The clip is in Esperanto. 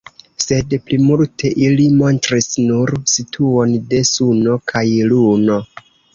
Sed plimulte ili montris nur situon de Suno kaj Luno.